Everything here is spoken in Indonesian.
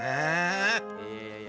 yaudah tidur dulu ya